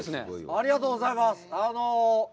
ありがとうございます。